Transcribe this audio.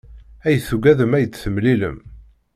Ay tugadem ad d-temlilem.